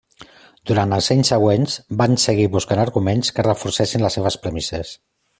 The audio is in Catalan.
Durant els anys següents van seguir buscant arguments que reforcessin les seves premisses.